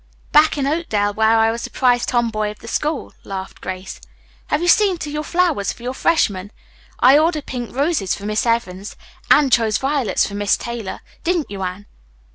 "Back in Oakdale, where I was the prize tomboy of the school," laughed Grace. "Have you seen to your flowers for your freshman? I ordered pink roses for Miss Evans. Anne chose violets for Miss Taylor, didn't you, Anne?"